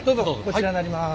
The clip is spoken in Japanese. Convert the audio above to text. こちらになります。